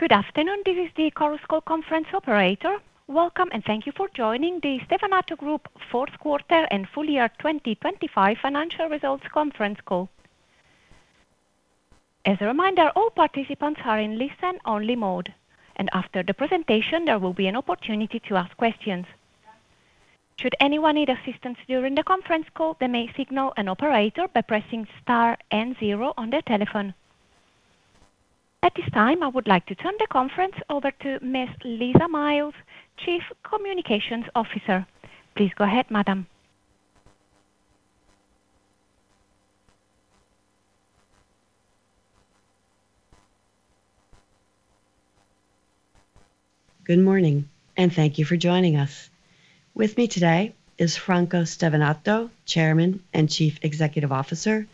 Welcome, and thank you for joining the Stevanato Group Q4 and full year 2025 financial results conference call. As a reminder, all participants are in listen-only mode, and after the presentation, there will be an opportunity to ask questions. Should anyone need assistance during the conference call, they may signal an operator by pressing star and zero on their telephone. At this time, I would like to turn the conference over to Ms. Lisa Miles, Chief Communications Officer. Please go ahead, madam. Good morning. Thank you for joining us. With me today is Franco Stevanato, Chairman and Chief Executive Officer,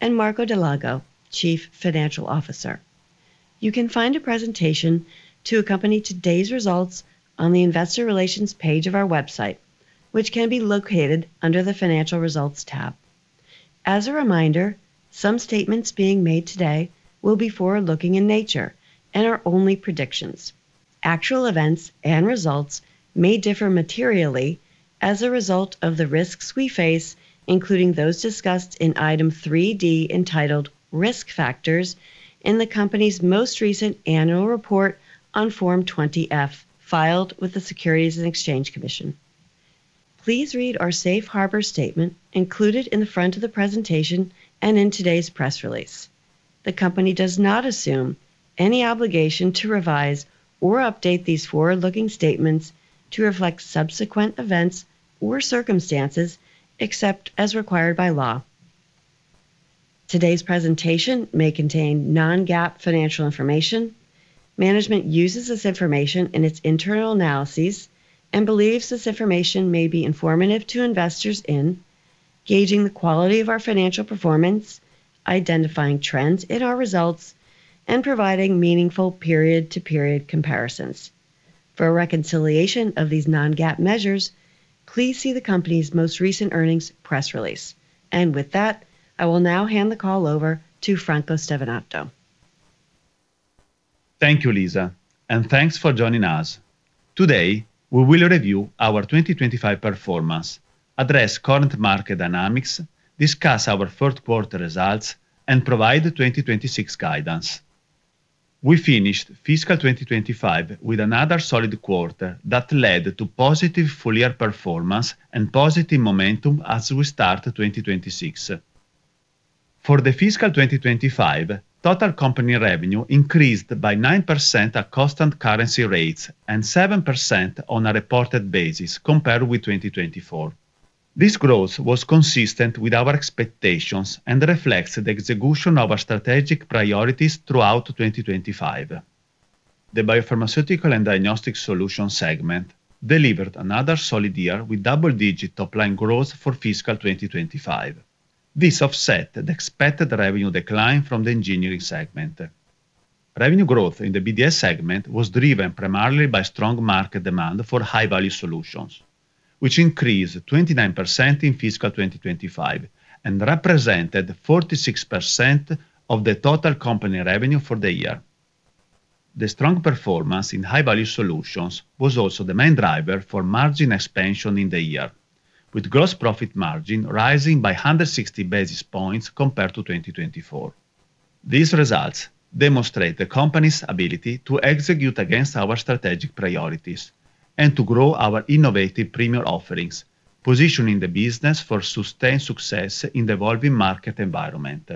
and Marco Dal Lago, Chief Financial Officer. You can find a presentation to accompany today's results on the investor relations page of our website, which can be located under the Financial Results tab. As a reminder, some statements being made today will be forward-looking in nature and are only predictions. Actual events and results may differ materially as a result of the risks we face, including those discussed in item 3D, entitled Risk Factors, in the company's most recent annual report on Form 20-F, filed with the Securities and Exchange Commission. Please read our safe harbor statement included in the front of the presentation and in today's press release. The company does not assume any obligation to revise or update these forward-looking statements to reflect subsequent events or circumstances except as required by law. Today's presentation may contain non-GAAP financial information. Management uses this information in its internal analyses and believes this information may be informative to investors in gauging the quality of our financial performance, identifying trends in our results, and providing meaningful period-to-period comparisons. For a reconciliation of these non-GAAP measures, please see the company's most recent earnings press release. With that, I will now hand the call over to Franco Stevanato. Thank you, Lisa, and thanks for joining us. Today, we will review our 2025 performance, address current market dynamics, discuss our Q3 results, and provide the 2026 guidance. We finished fiscal 2025 with another solid quarter that led to positive full-year performance and positive momentum as we start 2026. For the fiscal 2025, total company revenue increased by 9% at constant currency rates and 7% on a reported basis compared with 2024. This growth was consistent with our expectations and reflects the execution of our strategic priorities throughout 2025. The Biopharmaceutical and Diagnostic Solutions segment delivered another solid year with double-digit top-line growth for fiscal 2025. This offset the expected revenue decline from the engineering segment. Revenue growth in the BDS segment was driven primarily by strong market demand for High-Value Solutions, which increased 29% in fiscal 2025 and represented 46% of the total company revenue for the year. The strong performance in High-Value Solutions was also the main driver for margin expansion in the year, with gross profit margin rising by 160 basis points compared to 2024. These results demonstrate the company's ability to execute against our strategic priorities and to grow our innovative premier offerings, positioning the business for sustained success in the evolving market environment.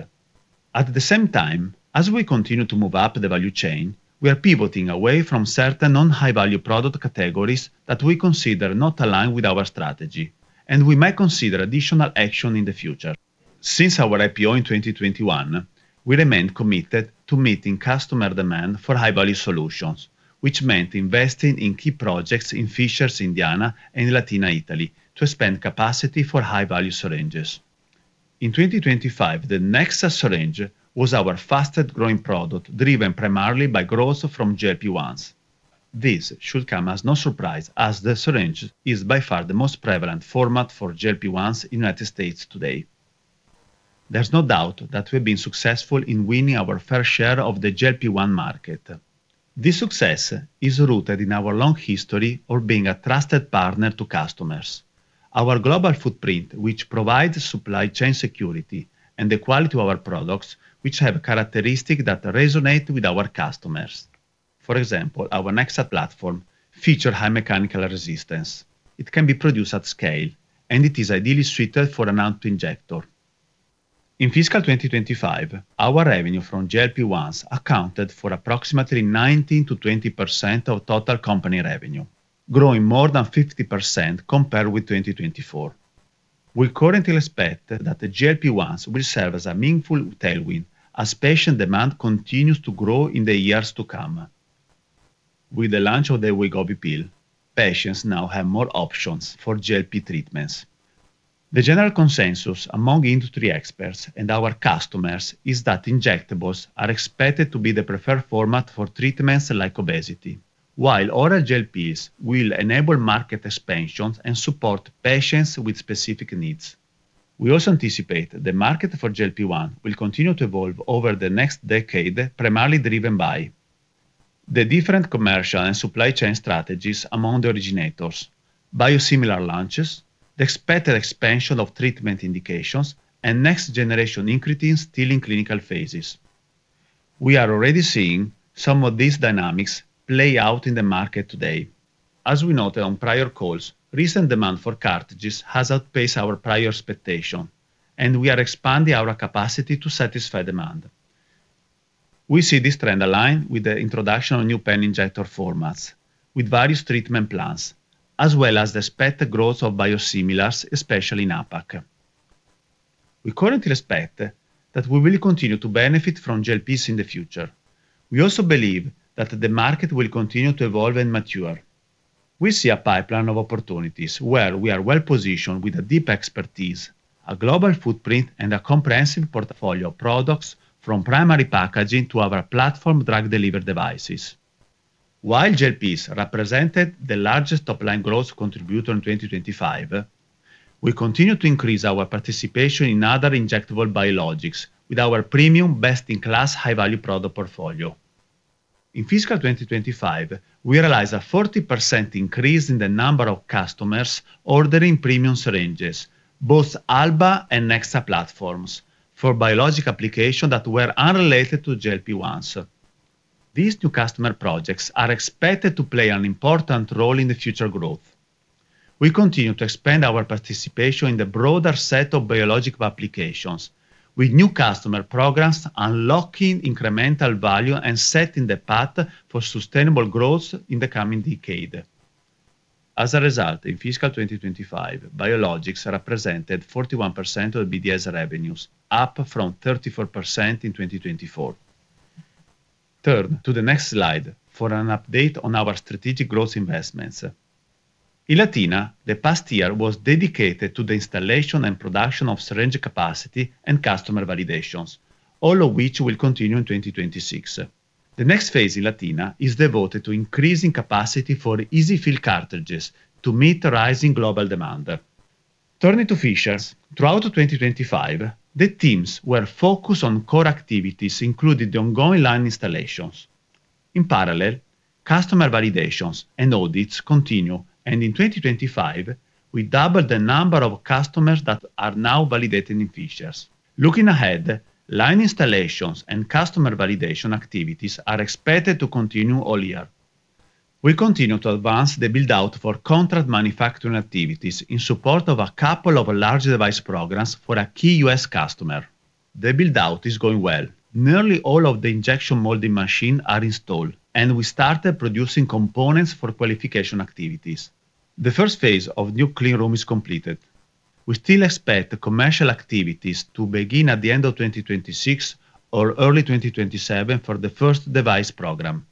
At the same time, as we continue to move up the value chain, we are pivoting away from certain non-High-Value product categories that we consider not aligned with our strategy, and we might consider additional action in the future. Since our IPO in 2021, we remain committed to meeting customer demand for high-value solutions, which meant investing in key projects in Fishers, Indiana, and Latina, Italy, to expand capacity for high-value syringes. In 2025, the Nexa syringe was our fastest-growing product, driven primarily by growth from GLP-1s. This should come as no surprise as the syringe is by far the most prevalent format for GLP-1s in the United States today. There's no doubt that we've been successful in winning our fair share of the GLP-1 market. This success is rooted in our long history of being a trusted partner to customers. Our global footprint, which provides supply chain security and the quality of our products, which have characteristics that resonate with our customers. For example, our Nexa platform feature high mechanical resistance. It can be produced at scale, and it is ideally suited for an auto-injector. In fiscal 2025, our revenue from GLP-1s accounted for approximately 19%-20% of total company revenue, growing more than 50% compared with 2024. We currently expect that the GLP-1s will serve as a meaningful tailwind as patient demand continues to grow in the years to come. With the launch of the Wegovy pill, patients now have more options for GLP treatments. The general consensus among industry experts and our customers is that injectables are expected to be the preferred format for treatments like obesity, while oral GLP will enable market expansions and support patients with specific needs. We also anticipate the market for GLP-1 will continue to evolve over the next decade, primarily driven by the different commercial and supply chain strategies among the originators, biosimilar launches, the expected expansion of treatment indications, and next generation incretins still in clinical phases. We are already seeing some of these dynamics play out in the market today. As we noted on prior calls, recent demand for cartridges has outpaced our prior expectation, and we are expanding our capacity to satisfy demand. We see this trend align with the introduction of new pen injector formats with various treatment plans, as well as the expected growth of biosimilars, especially in APAC. We currently expect that we will continue to benefit from GLP-1s in the future. We also believe that the market will continue to evolve and mature. We see a pipeline of opportunities where we are well-positioned with a deep expertise, a global footprint, and a comprehensive portfolio of products from primary packaging to our platform drug delivery devices. While GLPs represented the largest top-line growth contributor in 2025, we continue to increase our participation in other injectable biologics with our premium best-in-class high-value product portfolio. In fiscal 2025, we realized a 40% increase in the number of customers ordering premium syringes, both Alba and Nexa platforms, for biologic application that were unrelated to GLP-1s. These new customer projects are expected to play an important role in the future growth. We continue to expand our participation in the broader set of biologic applications, with new customer programs unlocking incremental value and setting the path for sustainable growth in the coming decade. In fiscal 2025, biologics represented 41% of BDS revenues, up from 34% in 2024. Turn to the next slide for an update on our strategic growth investments. In Latina, the past year was dedicated to the installation and production of syringe capacity and customer validations, all of which will continue in 2026. The next phase in Latina is devoted to increasing capacity for EZ-fill cartridges to meet the rising global demand. Turning to Fishers, throughout 2025, the teams were focused on core activities, including the ongoing line installations. In parallel, customer validations and audits continue. In 2025, we doubled the number of customers that are now validated in Fishers. Looking ahead, line installations and customer validation activities are expected to continue all year. We continue to advance the build-out for contract manufacturing activities in support of a couple of large device programs for a key U.S. customer. The build-out is going well. Nearly all of the injection molding machine are installed. We started producing components for qualification activities. The first phase of new clean room is completed. We still expect the commercial activities to begin at the end of 2026 or early 2027 for the first device program.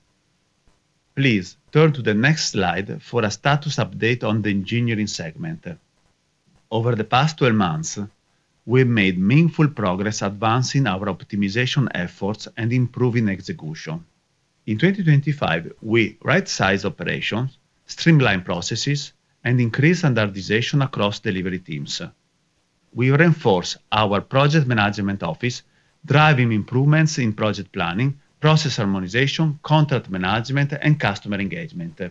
Please turn to the next slide for a status update on the engineering segment. Over the past 12 months, we've made meaningful progress advancing our optimization efforts and improving execution. In 2025, we right-sized operations, streamlined processes, and increased standardization across delivery teams. We reinforced our project management office, driving improvements in project planning, process harmonization, contract management, and customer engagement.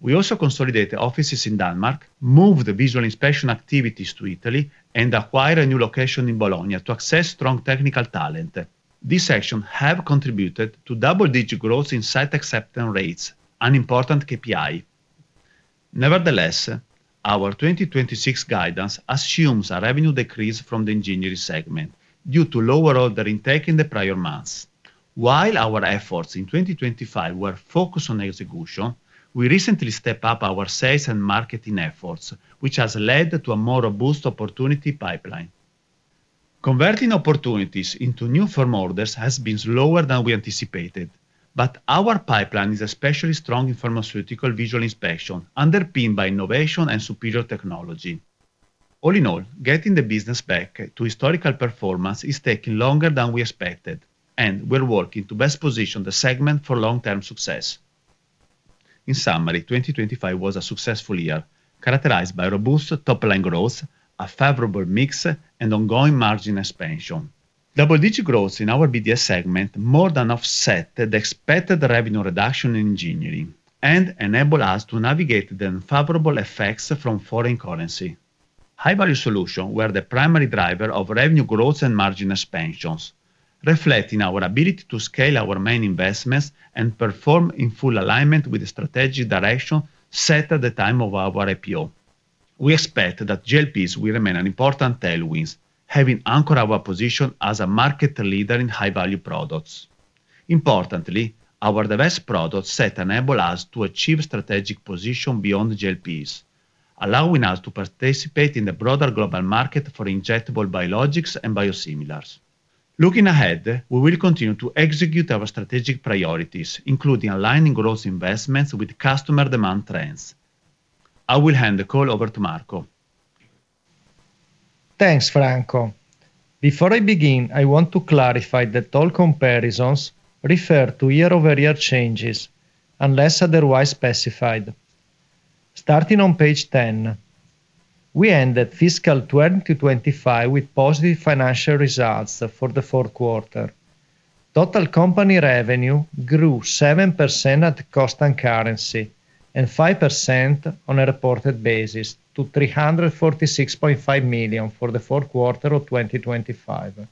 We also consolidated offices in Denmark, moved the visual inspection activities to Italy, and acquired a new location in Bologna to access strong technical talent. These actions have contributed to double-digit growth in site acceptance rates, an important KPI. Our 2026 guidance assumes a revenue decrease from the engineering segment due to lower order intake in the prior months. Our efforts in 2025 were focused on execution, we recently stepped up our sales and marketing efforts, which has led to a more robust opportunity pipeline. Converting opportunities into new firm orders has been slower than we anticipated, our pipeline is especially strong in pharmaceutical visual inspection, underpinned by innovation and superior technology. Getting the business back to historical performance is taking longer than we expected, we're working to best position the segment for long-term success. 2025 was a successful year, characterized by robust top-line growth, a favorable mix, and ongoing margin expansion. Double-digit growth in our BDS segment more than offset the expected revenue reduction in engineering and enabled us to navigate the unfavorable effects from foreign currency. High-value solutions were the primary driver of revenue growth and margin expansions, reflecting our ability to scale our main investments and perform in full alignment with the strategic direction set at the time of our IPO. We expect that GLPs will remain an important tailwind, having anchored our position as a market leader in high-value products. Our diverse product set enable us to achieve strategic position beyond GLPs, allowing us to participate in the broader global market for injectable biologics and biosimilars. Looking ahead, we will continue to execute our strategic priorities, including aligning growth investments with customer demand trends. I will hand the call over to Marco. Thanks, Franco. Before I begin, I want to clarify that all comparisons refer to year-over-year changes, unless otherwise specified. Starting on page 10. We ended Fiscal 2025 with positive financial results for the Q4. Total company revenue grew 7% at constant currency, and 5% on a reported basis to 346.5 million for the Q4 of 2025.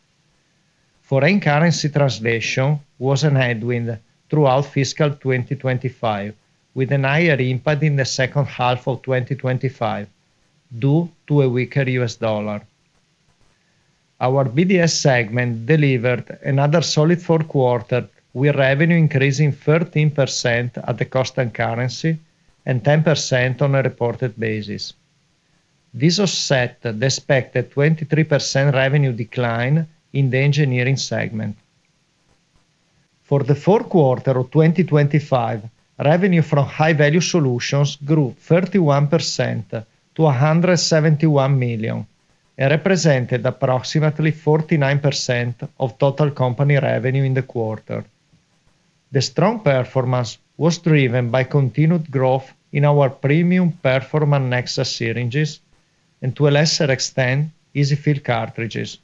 Foreign currency translation was an headwind throughout fiscal 2025, with a higher impact in the second half of 2025 due to a weaker US dollar. Our BDS segment delivered another solid Q4, with revenue increasing 13% at the cost and currency, and 10% on a reported basis. This offset the expected 23% revenue decline in the engineering segment. For the Q4 of 2025, revenue from high-value solutions grew 31% to 171 million and represented approximately 49% of total company revenue in the quarter. The strong performance was driven by continued growth in our premium performance Nexa syringes and, to a lesser extent, EZ-fill cartridges.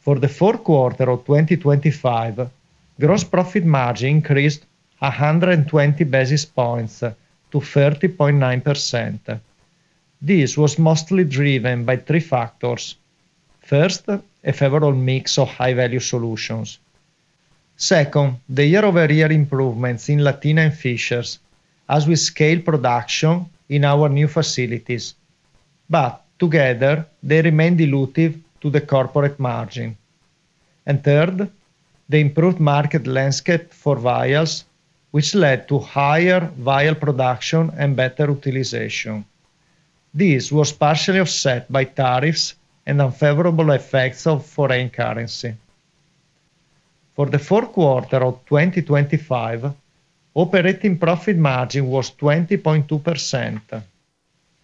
For the Q4 of 2025, gross profit margin increased 120 basis points to 30.9%. This was mostly driven by three factors. First, a favorable mix of high-value solutions. Second, the year-over-year improvements in Latina and Fishers as we scale production in our new facilities, together, they remain dilutive to the corporate margin. Third, the improved market landscape for vials, which led to higher vial production and better utilization. This was partially offset by tariffs and unfavorable effects of foreign currency. For the Q4 of 2025, operating profit margin was 20.2%.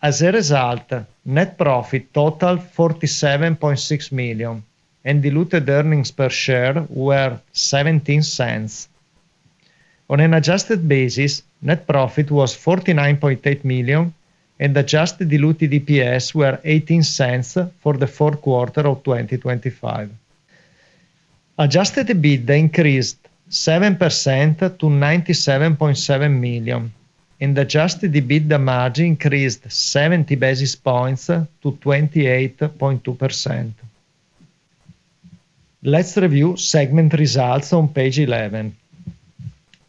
As a result, net profit totaled 47.6 million, and diluted earnings per share were 0.17. On an adjusted basis, net profit was 49.8 million, and adjusted diluted EPS were 0.18 for the Q4 of 2025. Adjusted EBITDA increased 7% to 97.7 million, and adjusted EBITDA margin increased 70 basis points to 28.2%. Let's review segment results on page 11.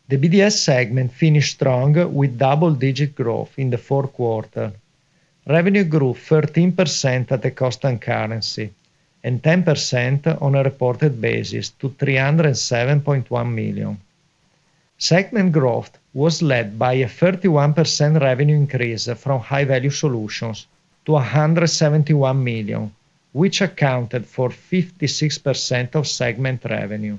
The BDS segment finished strong with double-digit growth in the Q4. Revenue grew 13% at the cost and currency and 10% on a reported basis to 307.1 million. Segment growth was led by a 31% revenue increase from high-value solutions to 171 million, which accounted for 56% of segment revenue.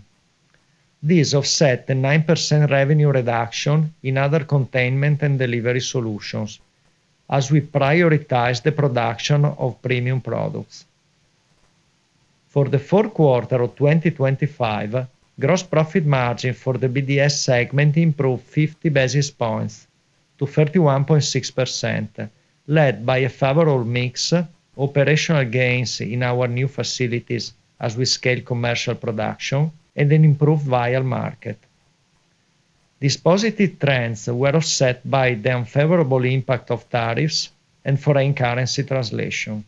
This offset the 9% revenue reduction in other containment and delivery solutions as we prioritize the production of premium products. For the Q4 of 2025, gross profit margin for the BDS segment improved 50 basis points to 31.6%, led by a favorable mix, operational gains in our new facilities as we scale commercial production, and an improved vial market. These positive trends were offset by the unfavorable impact of tariffs and foreign currency translation.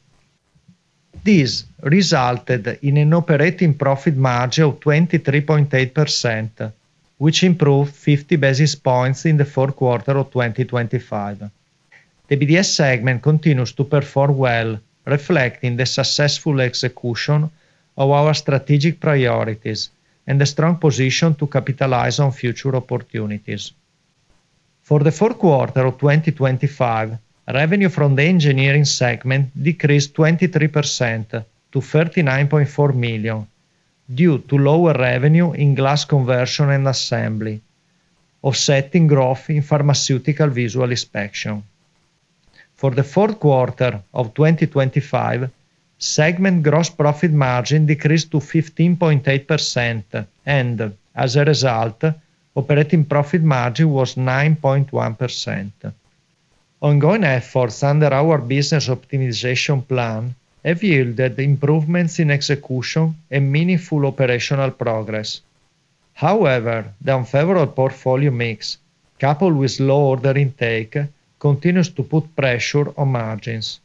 This resulted in an operating profit margin of 23.8%, which improved 50 basis points in the Q4 of 2025. The BDS segment continues to perform well, reflecting the successful execution of our strategic priorities and the strong position to capitalize on future opportunities. For the Q4 of 2025, revenue from the engineering segment decreased 23% to 39.4 million due to lower revenue in glass conversion and assembly, offsetting growth in pharmaceutical visual inspection. For the Q4 of 2025, segment gross profit margin decreased to 15.8%, and as a result, operating profit margin was 9.1%. Ongoing efforts under our business optimization plan have yielded improvements in execution and meaningful operational progress. However, the unfavorable portfolio mix, coupled with low order intake, continues to put pressure on margins.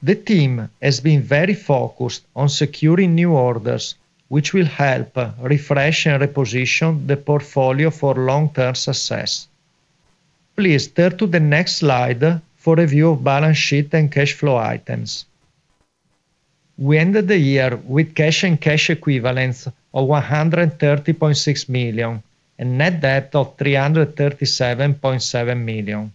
The team has been very focused on securing new orders, which will help refresh and reposition the portfolio for long-term success. Please turn to the next slide for review of balance sheet and cash flow items. We ended the year with cash and cash equivalents of 130.6 million and net debt of 337.7 million.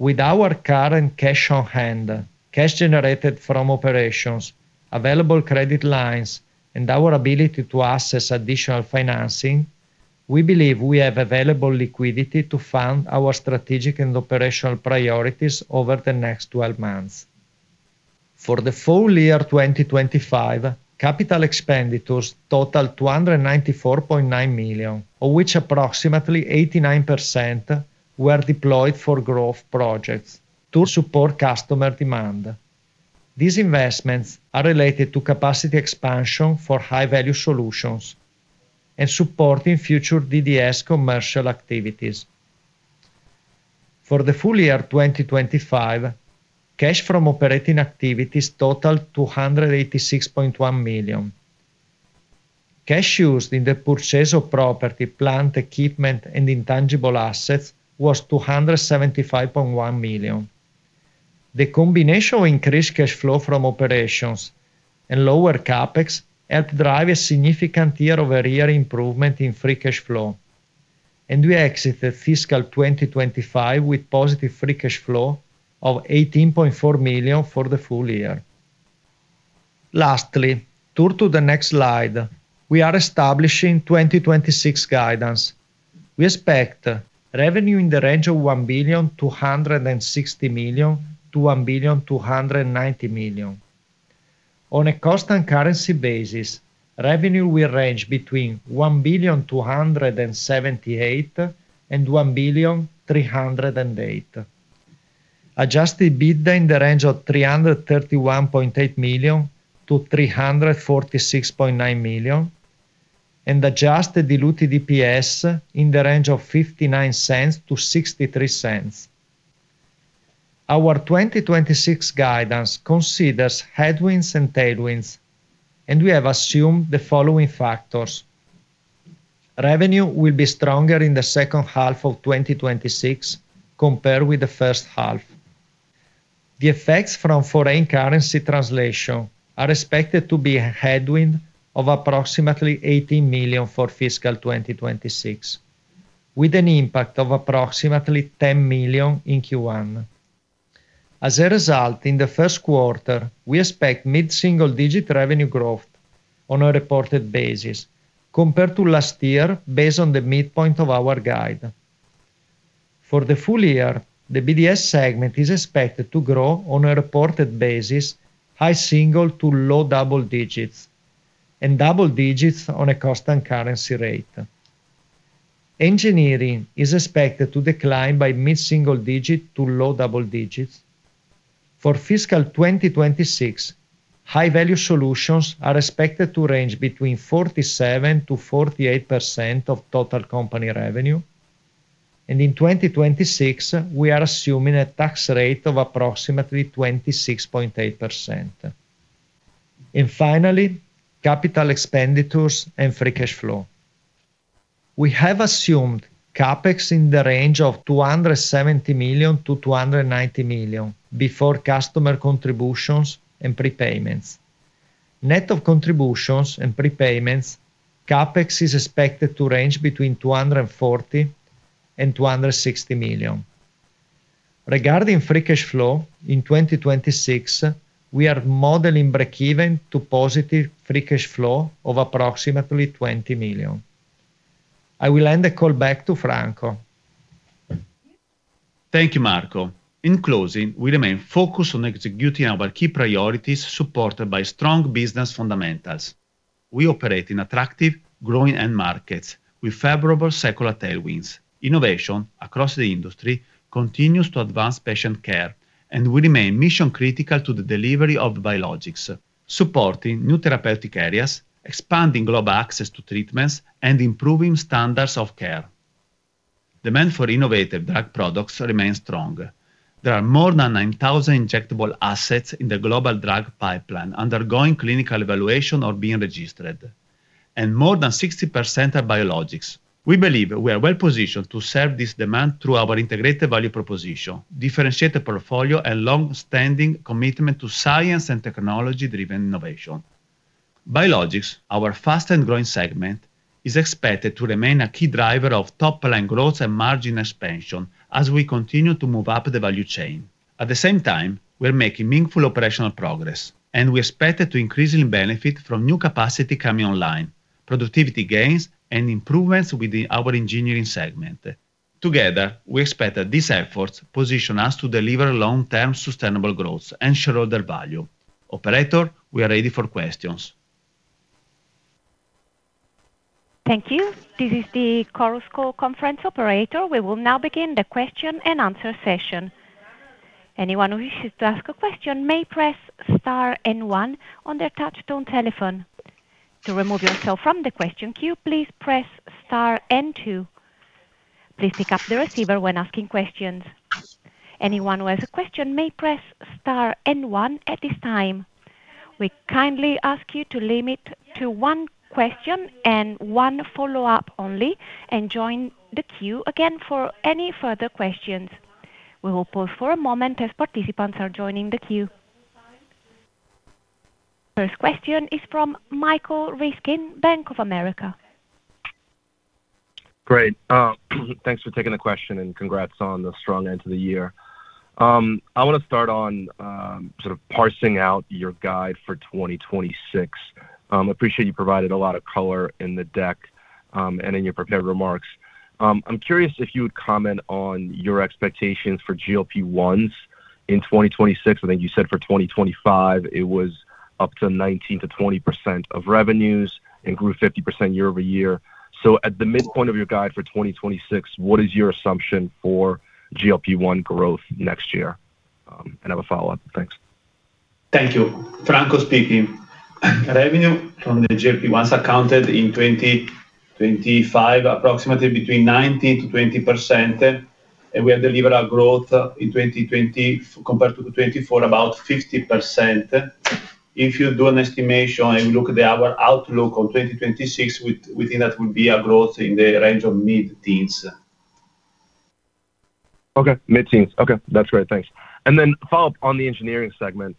With our current cash on hand, cash generated from operations, available credit lines, and our ability to access additional financing, we believe we have available liquidity to fund our strategic and operational priorities over the next 12 months. For the full year 2025, CapEx totaled 294.9 million, of which approximately 89% were deployed for growth projects to support customer demand. These investments are related to capacity expansion for high-value solutions and supporting future DDS commercial activities. For the full year 2025, cash from operating activities totaled 286.1 million. Cash used in the purchase of property, plant, equipment, and intangible assets was 275.1 million. The combination of increased cash flow from operations and lower CapEx helped drive a significant year-over-year improvement in free cash flow. We exited fiscal 2025 with positive free cash flow of 18.4 million for the full year. Turn to the next slide. We are establishing 2026 guidance. We expect revenue in the range of 1.26 billion-1.29 billion. On a cost and currency basis, revenue will range between 1.278 billion and 1.308 billion. Adjusted EBITDA in the range of 331.8 million-346.9 million. Adjusted diluted EPS in the range of $0.59-$0.63. Our 2026 guidance considers headwinds and tailwinds, and we have assumed the following factors. Revenue will be stronger in the second half of 2026 compared with the first half. The effects from foreign currency translation are expected to be a headwind of approximately $80 million for fiscal 2026, with an impact of approximately $10 million in Q1. As a result, in the Q1, we expect mid-single-digit revenue growth on a reported basis compared to last year based on the midpoint of our guide. For the full year, the BDS segment is expected to grow on a reported basis high single to low double digits and double digits on a cost and currency rate. Engineering is expected to decline by mid-single digit to low double digits. For fiscal 2026, high-value solutions are expected to range between 47%-48% of total company revenue. In 2026, we are assuming a tax rate of approximately 26.8%. Finally, capital expenditures and free cash flow. We have assumed CapEx in the range of 270 million-290 million before customer contributions and prepayments. Net of contributions and prepayments, CapEx is expected to range between 240 million and 260 million. Regarding free cash flow, in 2026, we are modeling breakeven to positive free cash flow of approximately 20 million. I will hand the call back to Franco. Thank you, Marco. In closing, we remain focused on executing our key priorities, supported by strong business fundamentals. We operate in attractive, growing end markets with favorable secular tailwinds. Innovation across the industry continues to advance patient care, and we remain mission-critical to the delivery of biologics, supporting new therapeutic areas, expanding global access to treatments, and improving standards of care. Demand for innovative drug products remains strong. There are more than 9,000 injectable assets in the global drug pipeline undergoing clinical evaluation or being registered, and more than 60% are biologics. We believe we are well-positioned to serve this demand through our integrated value proposition, differentiated portfolio, and long-standing commitment to science and technology-driven innovation. Biologics, our fastest-growing segment, is expected to remain a key driver of top-line growth and margin expansion as we continue to move up the value chain. At the same time, we're making meaningful operational progress, and we expect to increasingly benefit from new capacity coming online, productivity gains, and improvements within our engineering segment. Together, we expect that these efforts position us to deliver long-term sustainable growth and shareholder value. Operator, we are ready for questions. Thank you. This is the Chorus Call conference operator. We will now begin the question-and-answer session. Anyone who wishes to ask a question may press star and one on their touchtone telephone. To remove yourself from the question queue, please press star and two. Please pick up the receiver when asking questions. Anyone who has a question may press star and one at this time. We kindly ask you to limit to one question and one follow-up only and join the queue again for any further questions. We will pause for a moment as participants are joining the queue. First question is from Mike Ryskin, Bank of America. Great. Thanks for taking the question, congrats on the strong end to the year. I wanna start on sort of parsing out your guide for 2026. Appreciate you provided a lot of color in the deck, and in your prepared remarks. I'm curious if you would comment on your expectations for GLP-1s in 2026. I think you said for 2025 it was up to 19%-20% of revenues and grew 50% year-over-year. At the midpoint of your guide for 2026, what is your assumption for GLP-1 growth next year? I have a follow-up. Thanks. Thank you. Franco speaking. Revenue from the GLP-1s accounted in 2025, approximately between 19%-20%, and we have delivered our growth in 2020 compared to the 2024, about 50%. If you do an estimation and look at our outlook on 2026 within that would be a growth in the range of mid-teens. Okay. Mid-teens. Okay. That's great. Thanks. A follow-up on the engineering segment.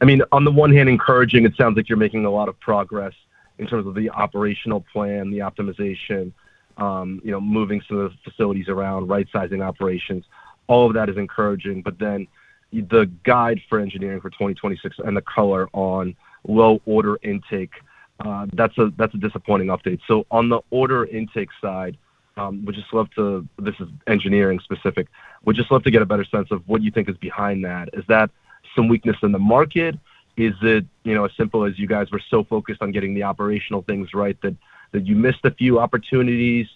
I mean, on the one hand, encouraging, it sounds like you're making a lot of progress in terms of the operational plan, the optimization, you know, moving sort of facilities around, right-sizing operations. All of that is encouraging. The guide for engineering for 2026 and the color on low order intake, that's a disappointing update. On the order intake side, This is engineering specific. We'd just love to get a better sense of what you think is behind that. Is that some weakness in the market? Is it, you know, as simple as you guys were so focused on getting the operational things right that you missed a few opportunities?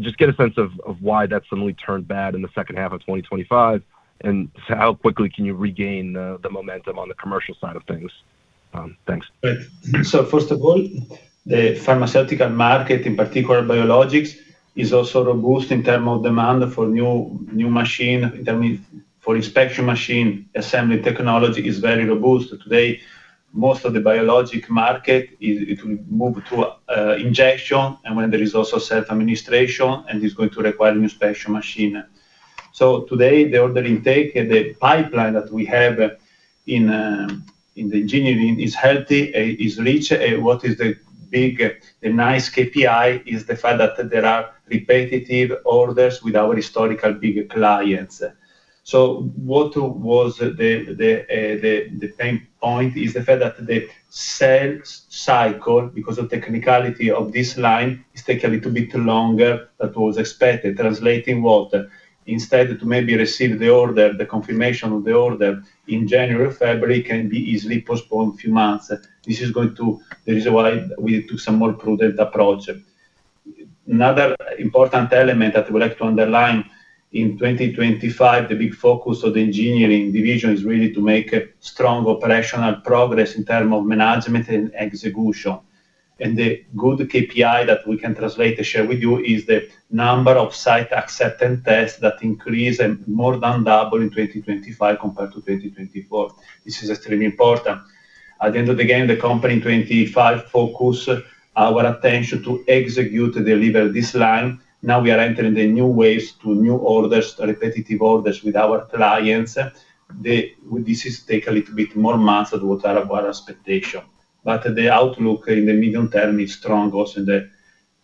Just get a sense of why that suddenly turned bad in the second half of 2025, how quickly can you regain the momentum on the commercial side of things? Thanks. First of all, the pharmaceutical market, in particular biologics, is also robust in term of demand for new machine. I mean, for inspection machine, assembly technology is very robust. Today, most of the biologic market is it will move to injection and when there is also self-administration, and it's going to require new special machine. Today, the order intake and the pipeline that we have in the engineering is healthy, is rich. What is the big, the nice KPI is the fact that there are repetitive orders with our historical big clients. What was the pain point is the fact that the sales cycle, because of technicality of this line, takes a little bit longer than was expected, translating what instead to maybe receive the order, the confirmation of the order in January, February, can be easily postponed few months. This is the reason why we took some more prudent approach. Another important element that we like to underline, in 2025, the big focus of the engineering division is really to make a strong operational progress in term of management and execution. The good KPI that we can translate to share with you is the number of site acceptance tests that increased and more than doubled in 2025 compared to 2024. This is extremely important. At the end of the day, the company in 2025 focused our attention to execute, deliver this line. Now we are entering the new waves to new orders, repetitive orders with our clients. This is take a little bit more months than what are our expectation. The outlook in the medium term is strong also in the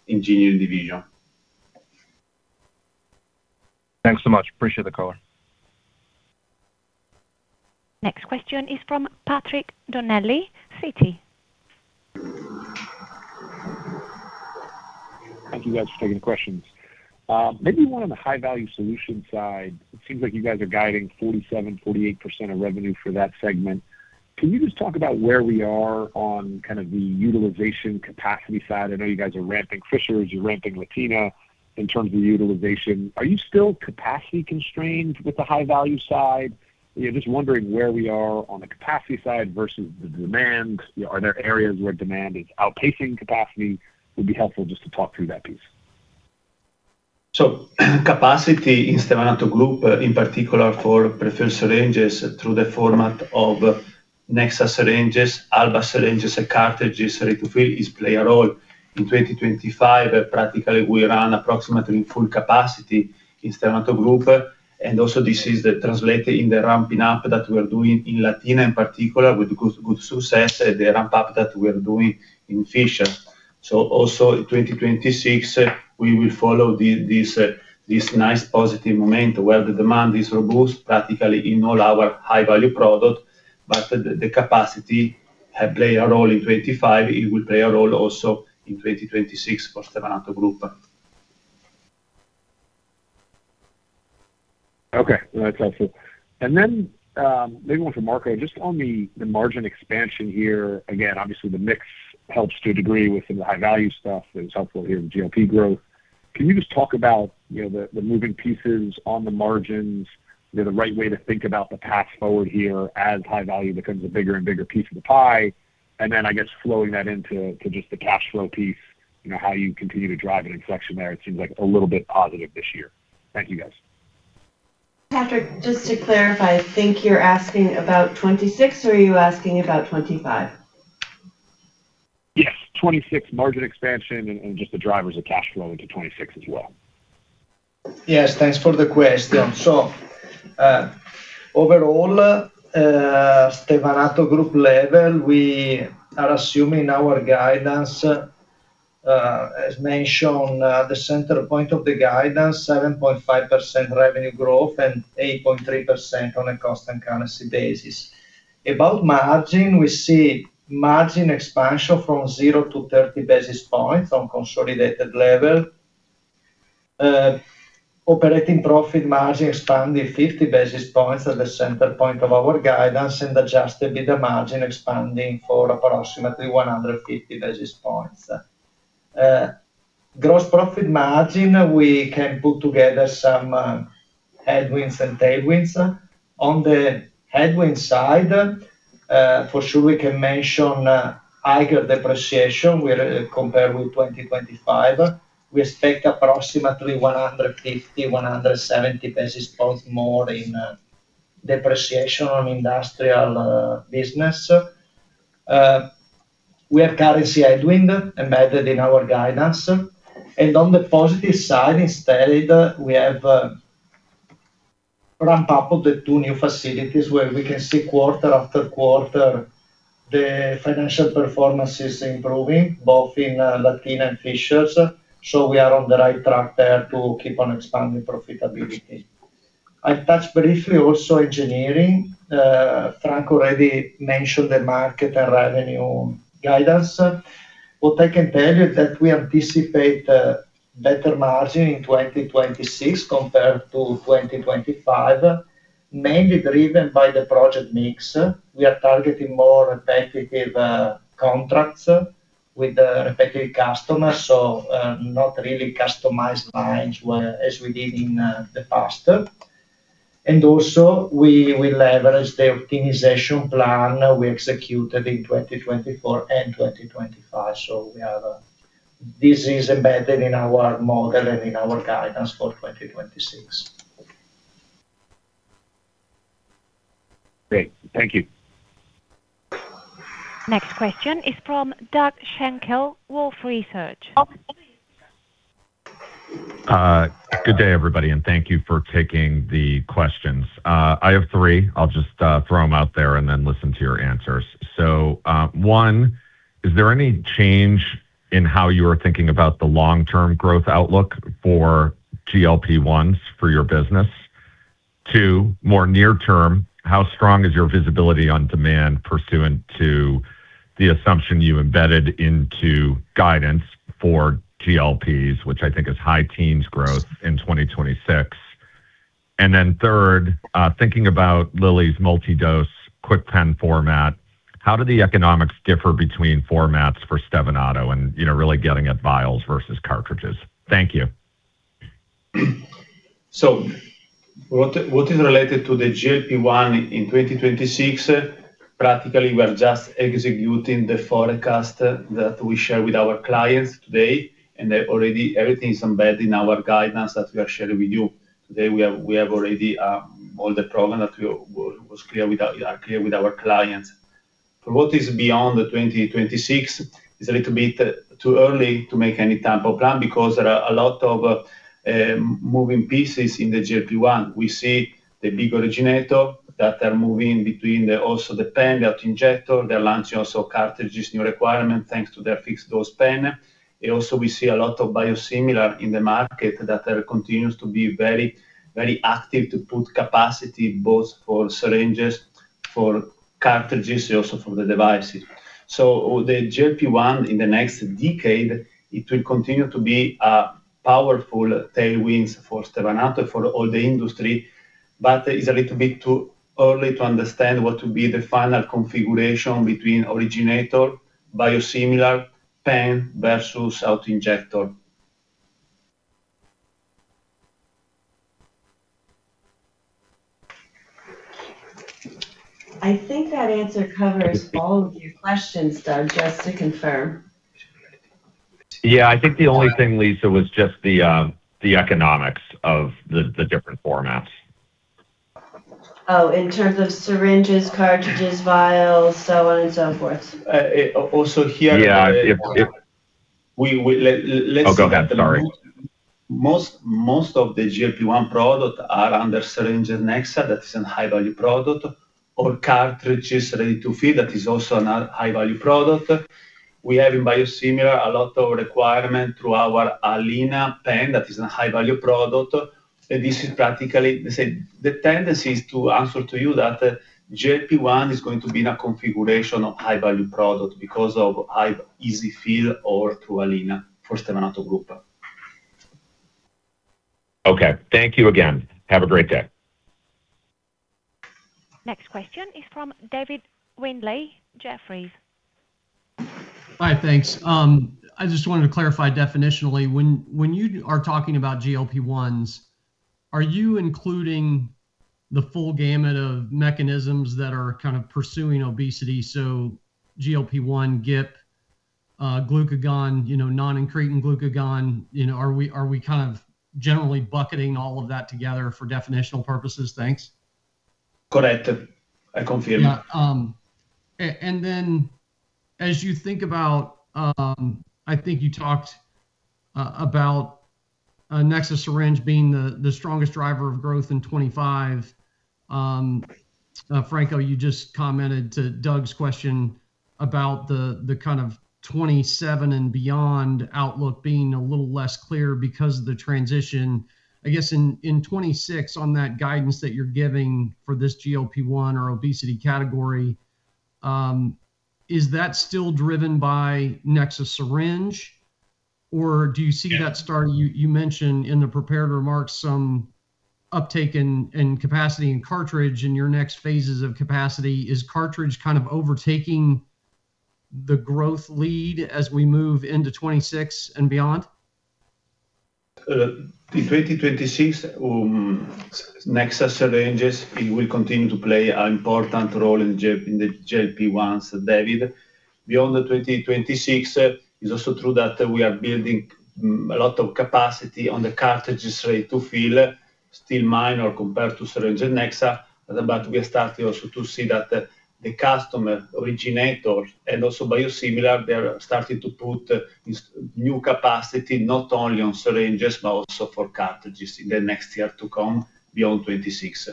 engineering division. Thanks so much. Appreciate the color. Next question is from Patrick Donnelly, Citi. Thank you guys for taking the questions. Maybe one on the High-Value Solutions side. It seems like you guys are guiding 47%-48% of revenue for that segment. Can you just talk about where we are on kind of the utilization capacity side? I know you guys are ramping Fishers, you're ramping Latina in terms of utilization. Are you still capacity constrained with the High-Value Solutions side? Just wondering where we are on the capacity side versus the demand. Are there areas where demand is outpacing capacity? Would be helpful just to talk through that piece. Capacity in Stevanato Group, in particular for preferred syringes through the format of Nexa syringes, Alba syringes, and cartridges ready to fill is play a role. In 2025, practically we run approximately in full capacity in Stevanato Group, and also this is translated in the ramping up that we are doing in Latina, in particular with good success, the ramp-up that we are doing in Fishers. Also in 2026, we will follow this nice positive momentum where the demand is robust practically in all our high-value product, but the capacity had played a role in 25. It will play a role also in 2026 for Stevanato Group. Okay, no, that's helpful. Maybe one for Marco, just on the margin expansion here. Again, obviously the mix helps to a degree with some of the high value stuff that was helpful here with GLP-1 growth. Can you just talk about, you know, the moving pieces on the margins? You know, the right way to think about the path forward here as high value becomes a bigger and bigger piece of the pie. I guess flowing that into just the cash flow piece, you know, how you continue to drive an inflection there. It seems like a little bit positive this year. Thank you, guys. Patrick, just to clarify, I think you're asking about 26 or are you asking about 25? Yes. 2026 margin expansion and just the drivers of cash flow into 2026 as well. Yes. Thanks for the question. Overall, Stevanato Group level, we are assuming our guidance, as mentioned, the center point of the guidance, 7.5% revenue growth and 8.3% on a cost and currency basis. About margin, we see margin expansion from 0-30 basis points on consolidated level. Operating profit margin expanded 50 basis points at the center point of our guidance and adjusted EBITDA margin expanding for approximately 150 basis points. Gross profit margin, we can put together some headwinds and tailwinds. On the headwind side, for sure we can mention higher depreciation where compared with 2025. We expect approximately 150-170 basis points more in depreciation on industrial business. We have currency headwind embedded in our guidance. On the positive side instead, we have ramped up the two new facilities where we can see quarter after quarter the financial performance is improving, in Latina and Fishers, we are on the right track there to keep on expanding profitability. I touched briefly also engineering. Franco already mentioned the market and revenue guidance. What I can tell you that we anticipate better margin in 2026 compared to 2025, mainly driven by the project mix. We are targeting more repetitive contracts with the repetitive customers, not really customized lines as we did in the past. Also, we leverage the optimization plan we executed in 2024 and 2025, this is embedded in our model and in our guidance for 2026. Great. Thank you. Next question is from Doug Schenkel, Wolfe Research. Good day, everybody, thank you for taking the questions. I have three. I'll just throw them out there listen to your answers. One, is there any change in how you are thinking about the long-term growth outlook for GLP-1s for your business? Two, more near term, how strong is your visibility on demand pursuant to the assumption you embedded into guidance for GLPs, which I think is high teens growth in 2026? Third, thinking about Lilly's multi-dose KwikPen format, how do the economics differ between formats for Stevanato and, you know, really getting at vials versus cartridges? Thank you. What is related to the GLP-1 in 2026, practically we are just executing the forecast that we share with our clients today, everything is embedded in our guidance that we are sharing with you. Today we have already all the program that was clear with our clear with our clients. For what is beyond 2026, it's a little bit too early to make any type of plan because there are a lot of moving pieces in the GLP-1. We see the big originator that are moving between the pen, the auto-injector. They're launching also cartridges, new requirement, thanks to their fixed-dose pen. Also we see a lot of biosimilar in the market that are continues to be very, very active to put capacity both for syringes, for cartridges, also for the devices. The GLP-1 in the next decade, it will continue to be a powerful tailwinds for Stevanato, for all the industry. It's a little bit too early to understand what will be the final configuration between originator, biosimilar, pen versus auto-injector. I think that answer covers all of your questions, Doug, just to confirm. Yeah. I think the only thing, Lisa, was just the economics of the different formats. Oh, in terms of syringes, cartridges, vials, so on and so forth. Also. Yeah. We will-- Le-le-let's- Oh, go ahead. Sorry. Most of the GLP-1 product are under syringe Nexa, that is an high-value product, or cartridges ready-to-fill, that is also an high-value product. We have in biosimilar a lot of requirement through our Alina® pen, that is an high-value product. This is practically the same. The tendency is to answer to you that GLP-1 is going to be in a configuration of high-value product because of high EZ-fill or through Alina® for Stevanato Group. Okay. Thank you again. Have a great day. Next question is from Dave Windley, Jefferies. Hi. Thanks. I just wanted to clarify definitionally, when you are talking about GLP-1s, are you including the full gamut of mechanisms that are kind of pursuing obesity, so GLP-1, GIP, glucagon, you know, non-incretin glucagon? You know, are we kind of generally bucketing all of that together for definitional purposes? Thanks. Correct. I confirm. Yeah. As you think about. I think you talked about Nexa syringe being the strongest driver of growth in 25. Franco, you just commented to Doug's question about the kind of 27 and beyond outlook being a little less clear because of the transition. I guess in 26, on that guidance that you're giving for this GLP-1 or obesity category, is that still driven by Nexa syringe, or do you see that? You mentioned in the prepared remarks some uptake in capacity and cartridge in your next phases of capacity. Is cartridge kind of overtaking the growth lead as we move into 26 and beyond? In 2026, Nexa syringes will continue to play an important role in the GLP-1, David. Beyond 2026, it's also true that we are building a lot of capacity on the cartridge tray to fill, still minor compared to syringe in Nexa. We are starting also to see that the customer originator and also biosimilar, they are starting to put this new capacity not only on syringes, but also for cartridges in the next year to come beyond 2026.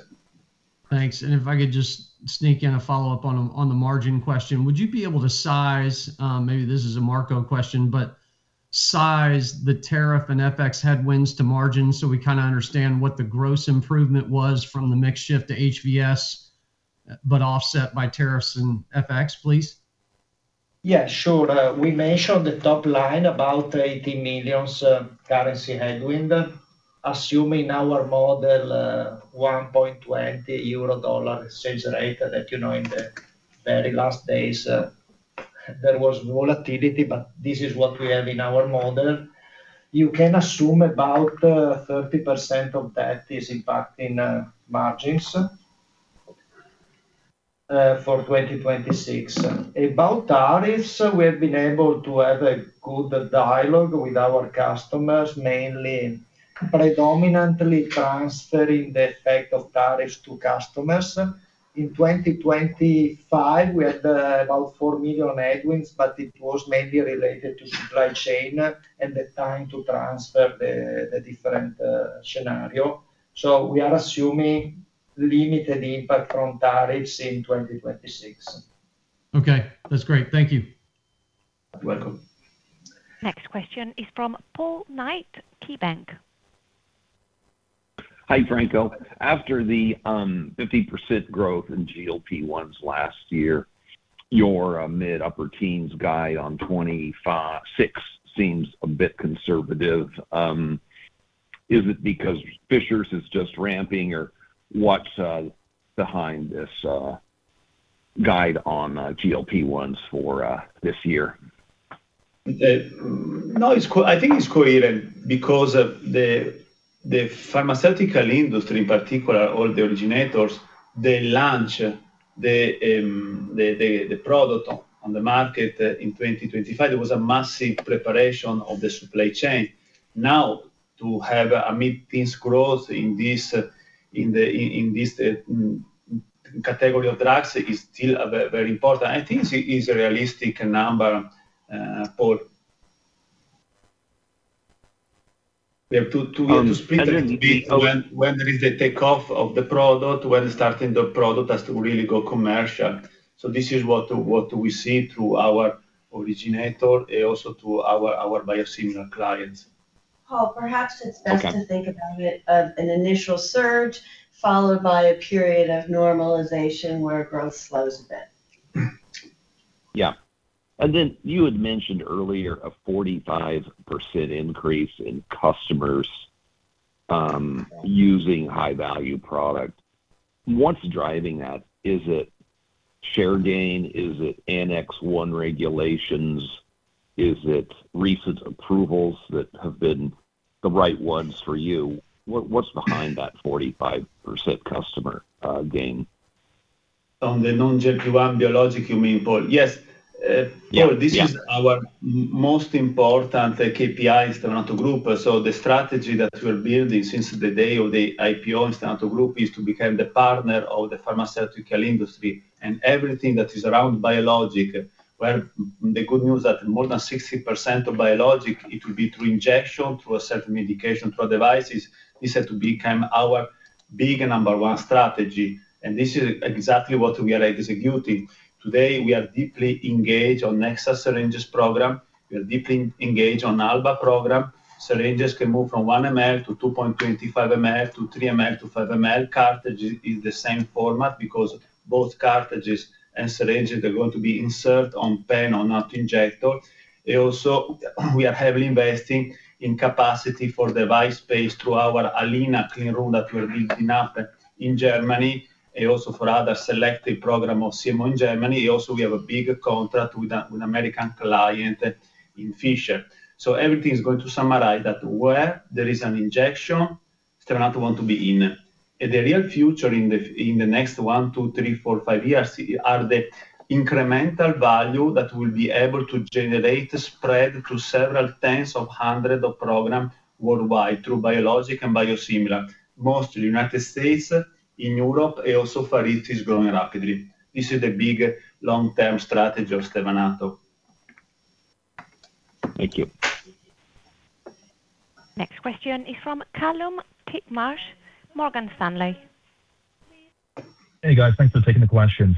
Thanks. If I could just sneak in a follow-up on the margin question. Would you be able to size, maybe this is a Marco question, but size the tariff and FX headwinds to margin so we kinda understand what the gross improvement was from the mix shift to HVS, but offset by tariffs and FX, please? Yeah, sure. We mentioned the top line, about 80 million currency headwind, assuming our model, 1.20 euro dollar exchange rate that, you know, in the very last days, there was volatility, but this is what we have in our model. You can assume about 30% of that is impacting margins for 2026. About tariffs, we've been able to have a good dialogue with our customers, mainly predominantly transferring the effect of tariffs to customers. In 2025, we had about 4 million headwinds, but it was mainly related to supply chain and the time to transfer the different scenario. We are assuming limited impact from tariffs in 2026. Okay, that's great. Thank you. You're welcome. Next question is from Paul Knight, KeyBanc. Hi, Franco. After the 50% growth in GLP-1s last year, your mid upper teens guide on 2026 seems a bit conservative. Is it because Fishers is just ramping or what's behind this guide on GLP-1s for this year? No, I think it's coherent because of the pharmaceutical industry, in particular all the originators, they launch the product on the market in 2025. There was a massive preparation of the supply chain. To have a mid-teens growth in this, in this category of drugs is still a very important. I think it is a realistic number, Paul. We have to split a little bit when there is a take off of the product, when starting the product has to really go commercial. This is what we see through our originator and also through our biosimilar clients. Paul, perhaps it's best to think about it as an initial surge followed by a period of normalization where growth slows a bit. Yeah. Then you had mentioned earlier a 45% increase in customers using high-value product. What's driving that? Is it share gain? Is it Annex 1 regulations? Is it recent approvals that have been the right ones for you? What's behind that 45% customer gain? On the non-GLP-1 biologic, you mean, Paul? Yes. Paul, this is our most important KPI in Stevanato Group. The strategy that we're building since the day of the IPO in Stevanato Group is to become the partner of the pharmaceutical industry, and everything that is around biologic, where the good news that more than 60% of biologic, it will be through injection, through a certain medication, through devices. This has to become our big number one strategy, and this is exactly what we are executing. Today, we are deeply engaged on Nexa syringes program. We are deeply engaged on Alba program. Syringes can move from 1 ml to 2.25 ml to 3 ml to 5 ml cartridge. It's the same format because both cartridges and syringes are going to be insert on pen on auto-injector. We are heavily investing in capacity for device space to our Alina clean room that we're building up in Germany, and also for other selective program of CMO in Germany. We have a bigger contract with a American client in Fishers. Everything is going to summarize that where there is an injection, Stevanato want to be in. In the real future, in the next one, two, three, four, five years are the incremental value that we'll be able to generate spread through several tens of hundreds of program worldwide through biologic and biosimilar. Mostly United States, in Europe, and also Far East is growing rapidly. This is the big long-term strategy of Stevanato. Thank you. Next question is from Kallum Titchmarsh, Morgan Stanley. Hey guys, thanks for taking the questions.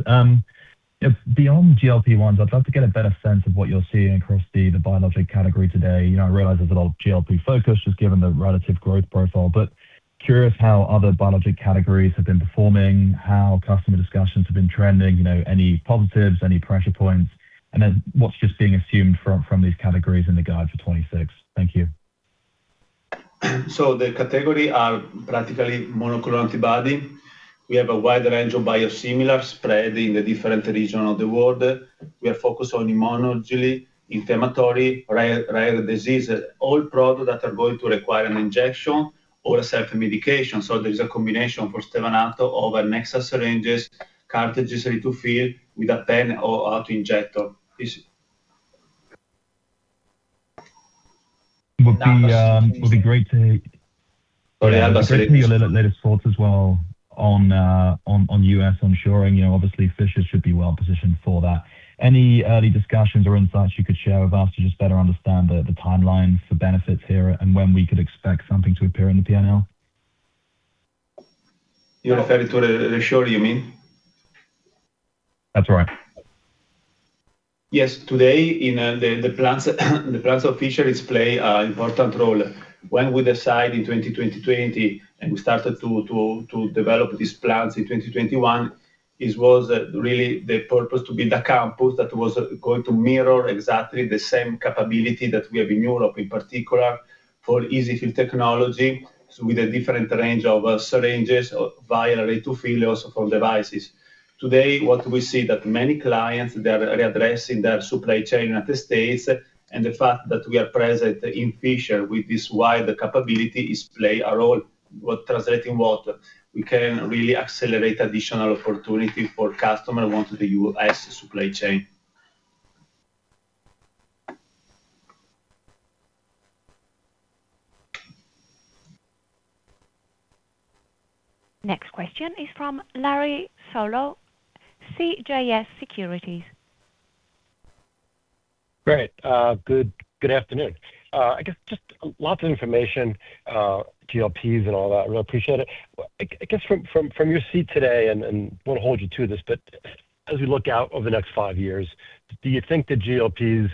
If beyond GLP-1, I'd love to get a better sense of what you're seeing across the biologic category today? You know, I realize there's a lot of GLP focus just given the relative growth profile, but curious how other biologic categories have been performing, how customer discussions have been trending, you know, any positives, any pressure points, and then what's just being assumed from these categories in the guide for 2026? Thank you. The category are practically monoclonal antibody. We have a wide range of biosimilar spread in the different region of the world. We are focused on immunology, inflammatory, rare diseases, all products that are going to require an injection or a certain medication. There is a combination for Stevanato or Nexa syringes, cartridges ready to fill with a pen or auto-injector. Would be great. Yeah, but. Give me your latest thoughts as well on U.S. onshoring. You know, obviously Fishers should be well positioned for that. Any early discussions or insights you could share with us to just better understand the timelines for benefits here and when we could expect something to appear in the PNL? You refer to the shore, you mean? That's right. Yes. Today, in the plants of Fishers is play a important role. When we decide in 2020, and we started to develop these plants in 2021, it was really the purpose to be the campus that was going to mirror exactly the same capability that we have in Europe, in particular for EZ-fill technology. With a different range of syringes or vial or auto-fillers for devices. Today, what we see that many clients, they are readdressing their supply chain at the States, and the fact that we are present in Fishers with this wide capability is play a role. Translating what, we can really accelerate additional opportunity for customer want the U.S. supply chain. Next question is from Larry Solow, CJS Securities. Great. Good afternoon. I guess just lots of information, GLPs and all that. I really appreciate it. I guess from your seat today, won't hold you to this, but as we look out over the next five years, do you think the GLPs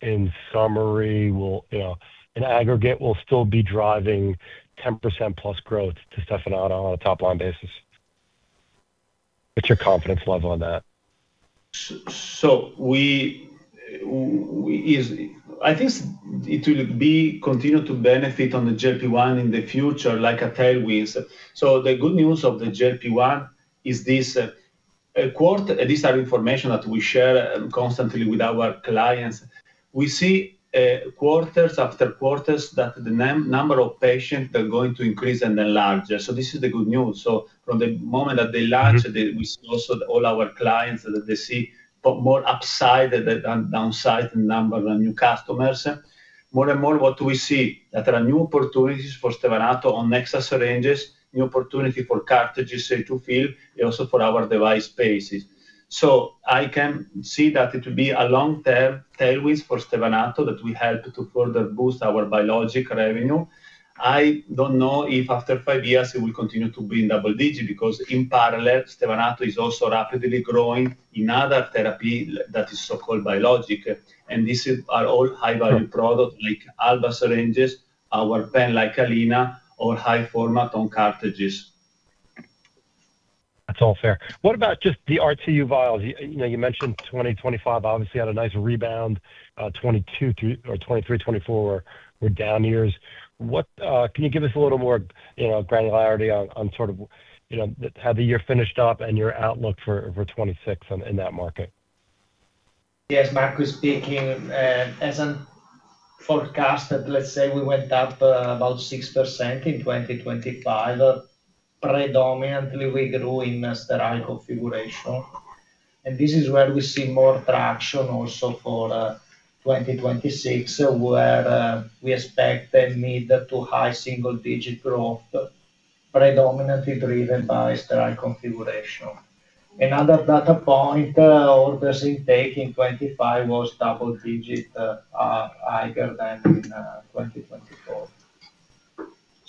in summary will, you know, in aggregate, will still be driving 10%+ growth to Stevanato on a top-line basis? What's your confidence level on that? We I think it will be continue to benefit on the GLP-1 in the future like a tailwind. The good news of the GLP-1 is this. This are information that we share constantly with our clients. We see quarters after quarters that the number of patients are going to increase and then larger. This is the good news. From the moment that they launch, we see also all our clients, they see more upside than downside in number of new customers. More and more what we see, that there are new opportunities for Stevanato on Nexa syringes, new opportunity for cartridges say to fill and also for our device spaces. I can see that it will be a long-term tailwind for Stevanato that will help to further boost our biologic revenue. I don't know if after five years it will continue to be in double-digit because in parallel, Stevanato is also rapidly growing in other therapy that is so-called biologic, and are all high-value products like Alba syringes, our pen like Alina or high format on cartridges. That's all fair. What about just the RTU vials? You know, you mentioned 2025 obviously had a nice rebound. 2023, 2024 were down years. What can you give us a little more, you know, granularity on sort of, you know, how the year finished up and your outlook for 2026 in that market? Yes, Marco speaking. As an forecast, let's say we went up about 6% in 2025. Predominantly, we grew in sterile configuration, and this is where we see more traction also for 2026, where we expect a mid to high single-digit growth, predominantly driven by sterile configuration. Another data point, orders intake in 25 was double-digit higher than in 2024.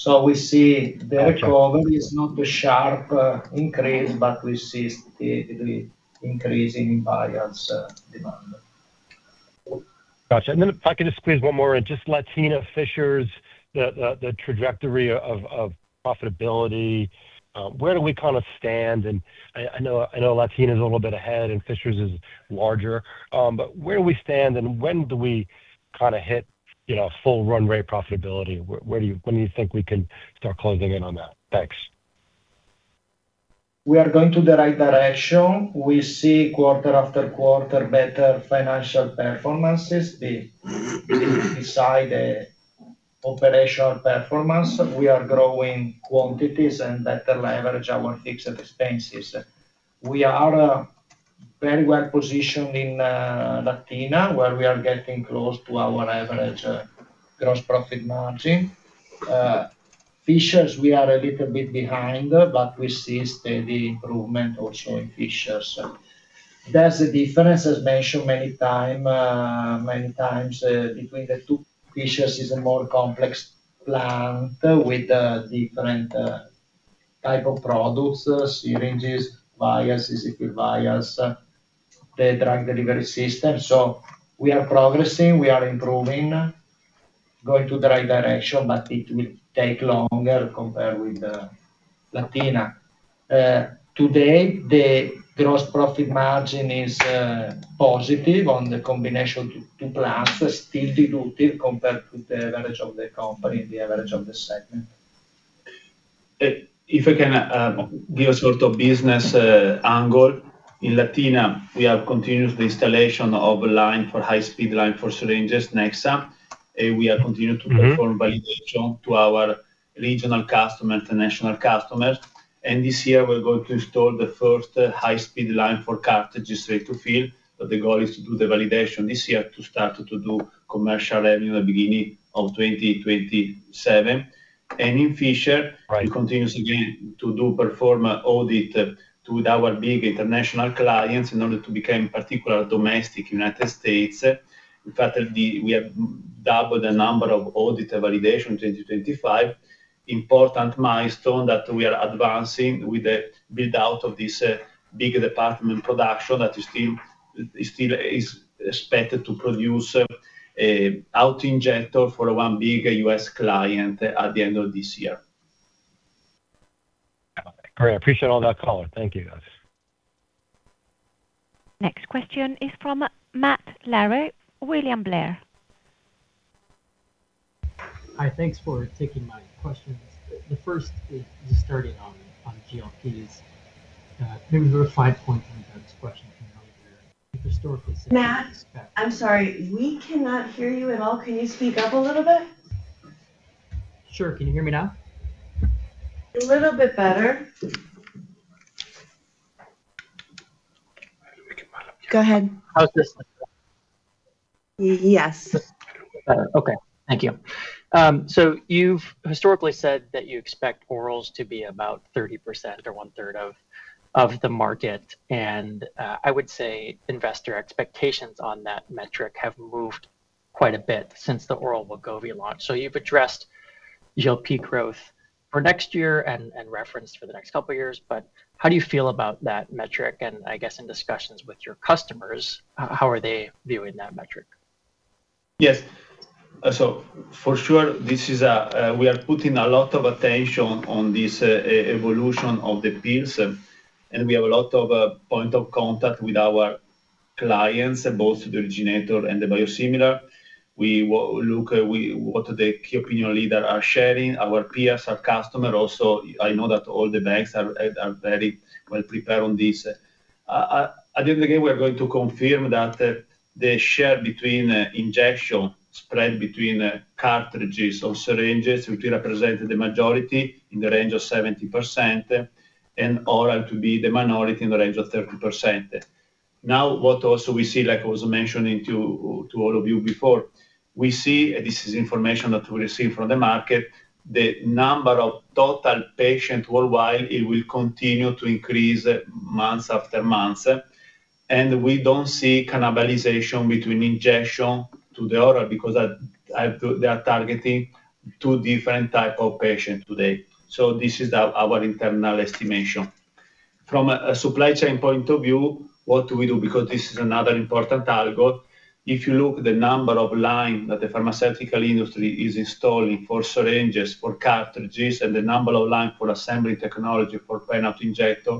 We see the recovery is not a sharp increase, but we see steadily increase in buyers, demand. Gotcha. If I could just squeeze one more in, just Latina, Fishers, the trajectory of profitability, where do we kind of stand? I know Latina is a little bit ahead and Fishers is larger, where do we stand, and when do we kind of hit, you know, full runway profitability? When do you think we can start closing in on that? Thanks. We are going to the right direction. We see quarter after quarter better financial performances. Inside the operational performance, we are growing quantities and better leverage our fixed expenses. We are very well positioned in Latina, where we are getting close to our average gross profit margin. Fishers, we are a little bit behind, but we see steady improvement also in Fishers. There's a difference, as mentioned many times, between the two features is a more complex plant, with different type of products, syringes, vials, 10 cc vials, the drug delivery system. We are progressing, we are improving, going to the right direction, but it will take longer compared with Latina. Today, the gross profit margin is positive on the combination two plants, still dilutive compared with the average of the company and the average of the segment. If I can give a sort of business angle, in Latina, we have continuous the installation of a line for high-speed line for syringes Nexa®, and we are continuing to perform. Mm-hmm... validation to our regional customer, international customers. This year, we're going to install the first high-speed line for cartridges say to fill. The goal is to do the validation this year to start to do commercial revenue at the beginning of 2027. In Fishers. Right... we continuously to do perform audit with our big international clients in order to become particular domestic United States. In fact, the we have doubled the number of audit validation 2025. Important milestone that we are advancing with the build-out of this bigger department production that still is expected to produce auto-injector for 1 big U.S. client at the end of this year. Great. I appreciate all that color. Thank you, guys. Next question is from Matt Larew, William Blair. Hi. Thanks for taking my questions. The first is starting on GLPs. Maybe the first 5 points on that question came out where historically. Matt, I'm sorry. We cannot hear you at all. Can you speak up a little bit? Sure. Can you hear me now? A little bit better. How do we get volume? Go ahead. How's this? Yes. Better. Okay. Thank you. You've historically said that you expect orals to be about 30% or 1/3 of the market, and, I would say investor expectations on that metric have moved quite a bit since the oral Wegovy launch. You've addressed GLP growth for next year and referenced for the next couple of years, but how do you feel about that metric? I guess in discussions with your customers, how are they viewing that metric? Yes. For sure, this is we are putting a lot of attention on this evolution of the pills, and we have a lot of point of contact with our clients, both the originator and the biosimilar. We look at what the key opinion leaders are sharing, our peers, our customer also. I know that all the banks are very well prepared on this. At the end of the day, we are going to confirm that the share between injection spread between cartridges or syringes, which represent the majority in the range of 70%, and oral to be the minority in the range of 30%. What also we see, like I was mentioning to all of you before, we see, this is information that we receive from the market, the number of total patient worldwide, it will continue to increase month after month. We don't see cannibalization between injection to the oral because they are targeting two different type of patient today. This is our internal estimation. From a supply chain point of view, what do we do? Because this is another important target. If you look the number of line that the pharmaceutical industry is installing for syringes, for cartridges, and the number of line for assembly technology for final injector,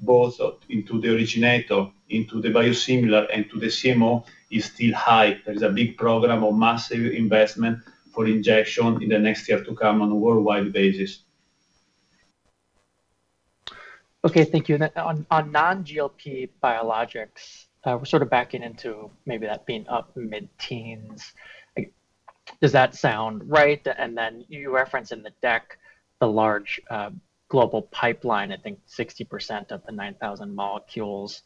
both into the originator, into the biosimilar, and to the CMO is still high. There is a big program of massive investment for injection in the next year to come on a worldwide basis. Okay. Thank you. On non-GLP biologics, sort of backing into maybe that being up mid-teens, does that sound right? You reference in the deck the large global pipeline, I think 60% of the 9,000 molecules.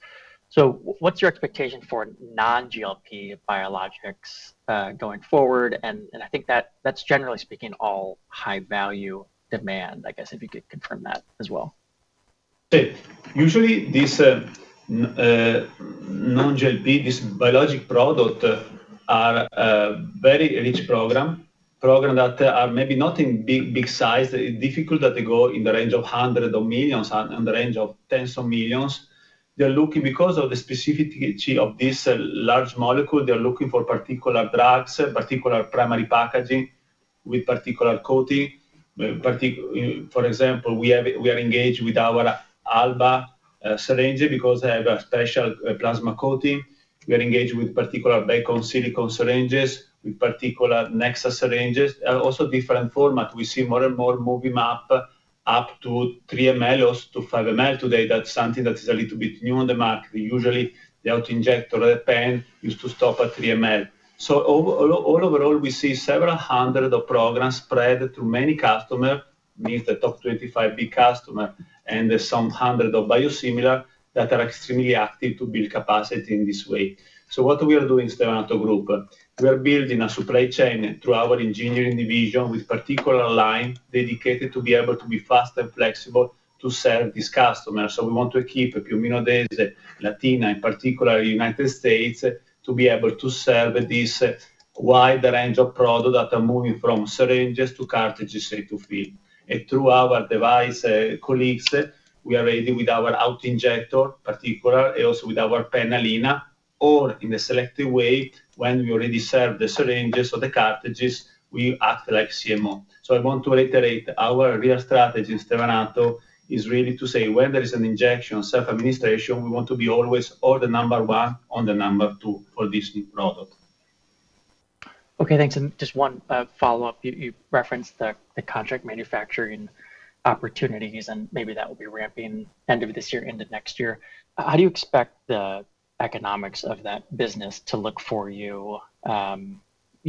What's your expectation for non-GLP biologics going forward? I think that's generally speaking all high-value demand, I guess, if you could confirm that as well. Sure. Usually, this non-GLP, this biologic product are a very rich program that are maybe not in big, big size. It's difficult that they go in the range of 100 million, on the range of 10 million. Because of the specificity of this large molecule, they're looking for particular drugs, particular primary packaging with particular coating. For example, we are engaged with our Alba syringe because they have a special plasma coating. We are engaged with particular baked-on silicone syringes, with particular Nexa syringes, also different format. We see more and more moving up to 3 ml to 5 ml today. That's something that is a little bit new on the market. Usually, the auto-injector pen used to stop at 3 ml. Overall, we see several hundred of programs spread through many customer, means the top 25 big customer, and some hundred of biosimilar that are extremely active to build capacity in this way. What we are doing Stevanato Group, we are building a supply chain through our engineering division with particular line dedicated to be able to be fast and flexible to serve these customers. We want to keep a few days, Latina, in particular, United States, to be able to serve this wide range of product that are moving from syringes to cartridges EZ-fill. Through our device colleagues, we are ready with our auto-injector, particular, also with our Alina. Or in a selective way, when we already serve the syringes or the cartridges, we act like CMO. I want to reiterate, our real strategy in Stevanato is really to say when there is an injection, self-administration, we want to be always or the number one or the number two for this new product. Okay. Thanks. Just one follow-up. You referenced the contract manufacturing opportunities, and maybe that will be ramping end of this year into next year. How do you expect the economics of that business to look for you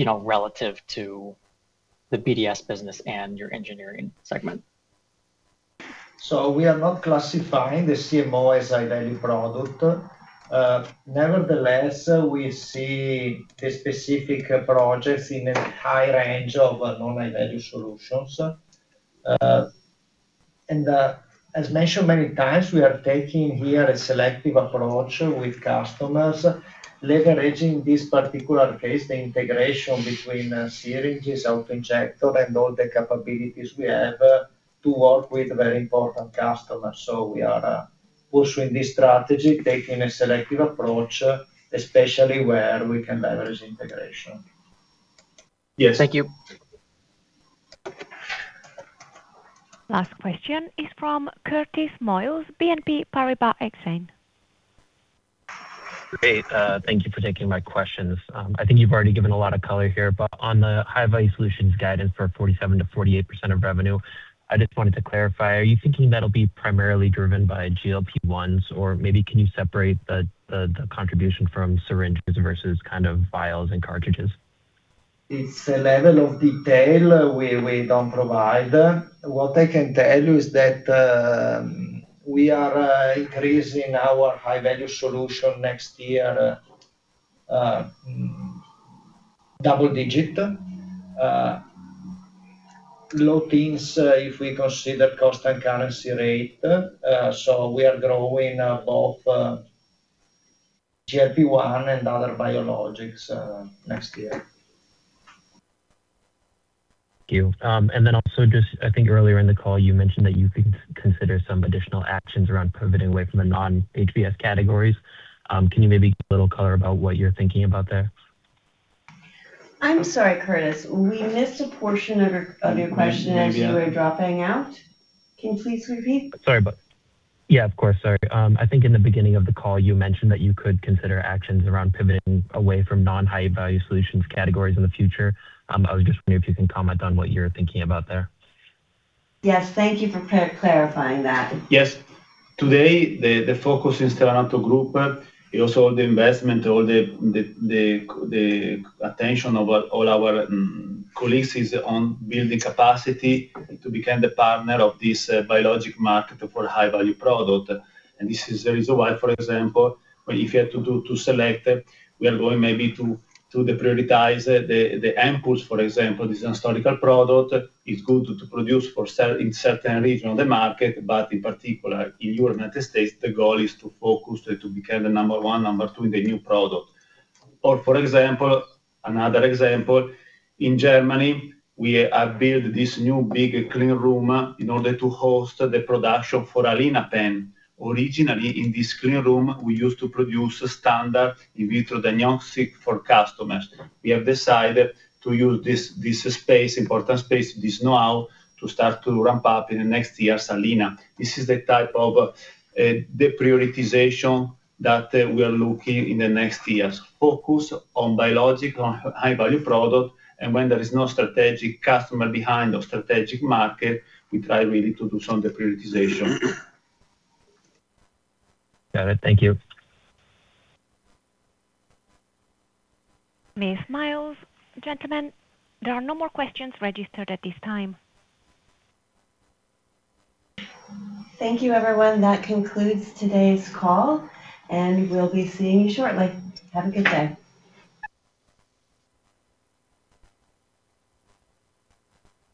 know, relative to the BDS business and your engineering segment? We are not classifying the CMO as a value product. Nevertheless, we see the specific projects in a high range of non-value solutions. As mentioned many times, we are taking here a selective approach with customers, leveraging this particular case, the integration between syringes, auto-injector, and all the capabilities we have to work with very important customers. We are pushing this strategy, taking a selective approach, especially where we can leverage integration. Yes. Thank you. Last question is from Curtis Moiles, BNP Paribas Exane. Great. Thank you for taking my questions. I think you've already given a lot of color here, but on the high-value solutions guidance for 47%-48% of revenue, I just wanted to clarify. Are you thinking that'll be primarily driven by GLP-1s or maybe can you separate the contribution from syringes versus kind of vials and cartridges? It's a level of detail we don't provide. What I can tell you is that we are increasing our high-value solution next year, double digit. Low teens if we consider cost and currency rate. We are growing both GLP-1 and other biologics next year. Thank you. Also just I think earlier in the call you mentioned that you could consider some additional actions around pivoting away from the non-HVS categories. Can you maybe give a little color about what you're thinking about there? I'm sorry, Curtis. We missed a portion of your question as you were dropping out. Can you please repeat? Sorry about that. Yeah, of course. Sorry. I think in the beginning of the call you mentioned that you could consider actions around pivoting away from non-high-value solutions categories in the future. I was just wondering if you can comment on what you're thinking about there? Yes. Thank you for clarifying that. Yes. Today, the focus in Stevanato Group is also the investment or the attention of all our colleagues is on building capacity to become the partner of this biologic market for high-value product. This is the reason why, for example, if you had to select, we are going maybe to deprioritize the ampoules, for example, this historical product is good to produce for sale in certain region of the market, but in particular, in United States, the goal is to focus to become the number one, number two in the new product. For example, another example, in Germany, we have built this new big clean room in order to host the production for Alina pen. Originally, in this clean room, we used to produce standard in vitro diagnostic for customers. We have decided to use this space, important space, this know-how, to start to ramp up in the next year's Alina. This is the type of deprioritization that we are looking in the next years. Focus on biologic, on high value product, when there is no strategic customer behind or strategic market, we try really to do some deprioritization. Got it. Thank you. Thanks, Moiles. Gentlemen, there are no more questions registered at this time. Thank you, everyone. That concludes today's call, and we'll be seeing you shortly. Have a good day.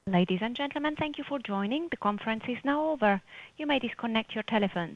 Ladies and gentlemen, thank you for joining. The conference is now over. You may disconnect your telephones.